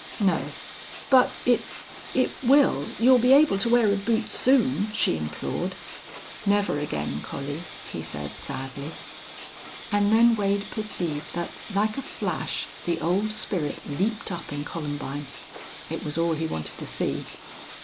"No." "But it it will you'll be able to wear a boot soon," she implored. "Never again, Collie," he said, sadly. And then Wade perceived that, like a flash, the old spirit leaped up in Columbine. It was all he wanted to see.